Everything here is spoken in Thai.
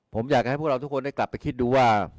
ผมอยากให้พวกเราทุกคนได้กลับไปคิดดูว่า